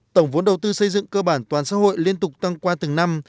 tổng vốn đầu tư xây dựng cơ bản toàn xã hội liên tục tăng qua từng năm